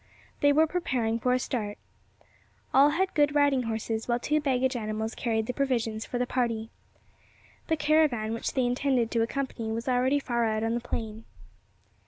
They were preparing for a start. All had good riding horses, while two baggage animals carried the provisions for the party. The caravan which they intended to accompany was already far out on the plain.